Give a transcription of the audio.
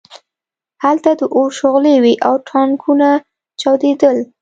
هلته د اور شغلې وې او ټانکونه چاودېدل